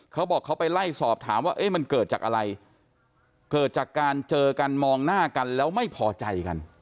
เขาบอกเขาไปไล่สอบถามว่าเอ๊ะมันเกิดจากอะไรเกิดจากการเจอกันมองหน้ากันแล้วไม่พอใจกัน